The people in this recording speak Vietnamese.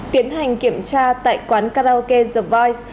tiến hành kiểm tra tại quán karaoke the voice